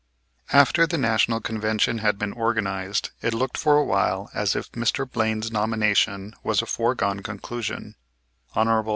After the National Convention had been organized, it looked for a while as if Mr. Blaine's nomination was a foregone conclusion. Hon.